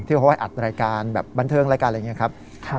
เขาก็ให้อัดรายการแบบบันเทิงรายการอะไรอย่างนี้ครับ